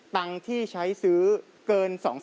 ตังค์ที่ใช้ซื้อเกิน๒๐๐๐